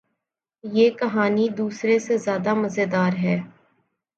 یہ کہانی دوسرے سے زیادو مزیدار ہے